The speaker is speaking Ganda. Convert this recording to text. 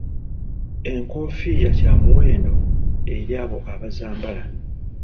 Enkoofiira kya muwendo eri abo abazambala.